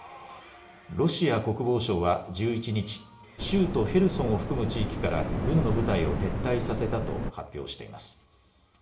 ロシア国防省は１１日、州都ヘルソンを含む地域から軍の部隊を撤退させたと発表しています。